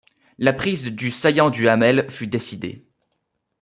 La prise du saillant du Hamel fut décidée.